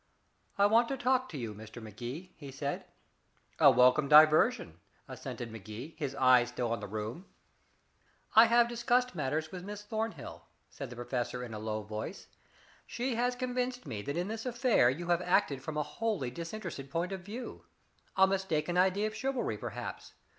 "I want to talk with you, Mr. Magee," he said. "A welcome diversion," assented Magee, his eyes still on the room. "I have discussed matters with Miss Thornhill," said the professor in a low voice. "She has convinced me that in this affair you have acted from a wholly disinterested point of view. A mistaken idea of chivalry, perhaps.